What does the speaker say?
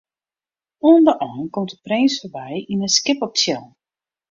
Oan de ein komt de prins foarby yn in skip op tsjillen.